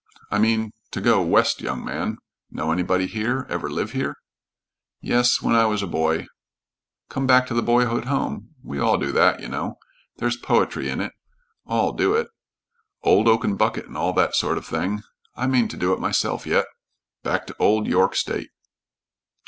I mean to 'go west, young man.' Know anybody here? Ever live here?" "Yes, when I was a boy." "Come back to the boyhood home. We all do that, you know. There's poetry in it all do it. 'Old oaken bucket' and all that sort of thing. I mean to do it myself yet, back to old York state."